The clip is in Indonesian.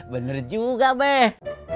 bener juga meh